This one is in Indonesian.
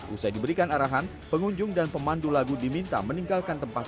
usai diberikan arahan pengunjung dan pemandu lagu diminta meninggalkan tempat